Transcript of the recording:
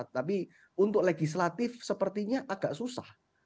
tapi untuk legislatif sepertinya agak susah